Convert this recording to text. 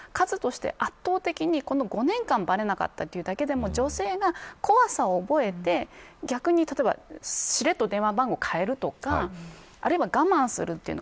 ただ、数として圧倒的に５年間ばれなかったというだけでも女性が怖さを覚えて例えばしれっと電話番号を変えるとか我慢するというの。